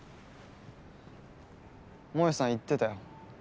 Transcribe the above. もえさん言ってたよ。